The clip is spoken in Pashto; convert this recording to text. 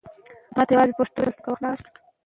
ډیزاین خلکو ته جذاب دی.